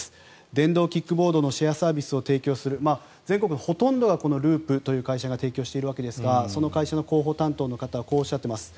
電動キックボードのシェアサービスを提供する全国のほとんどがこのＬＵＵＰという会社が提供しているわけですがその会社の広報担当者の方こうおっしゃっています。